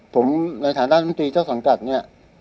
ผมในฐานะมินตรีเจ้าสังกัดเนี่ย